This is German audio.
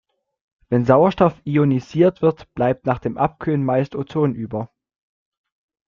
Wenn Sauerstoff ionisiert wird, bleibt nach dem Abkühlen meist Ozon über.